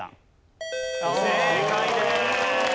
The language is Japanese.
正解です。